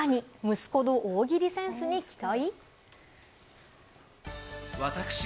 息子の大喜利センスに期待？